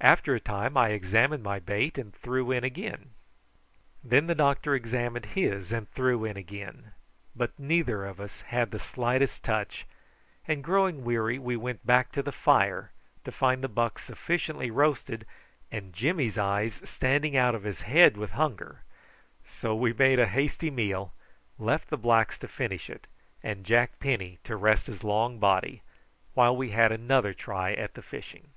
After a time I examined my bait and threw in again. Then the doctor examined his and threw in again, but neither of us had the slightest touch, and growing weary we went back to the fire to find the buck sufficiently roasted and Jimmy's eyes standing out of his head with hunger; so we made a hasty meal, left the blacks to finish it, and Jack Penny to rest his long body, while we had another try at the fishing.